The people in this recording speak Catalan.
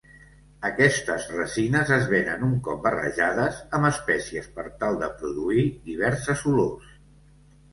Aquestes resines es venen un cop barrejades amb espècies per tal de produir diverses olors.